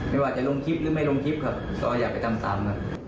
ไม่ว่าจะลงคลิปหรือไม่ลงคลิปครับซอยอยากไปจำตาม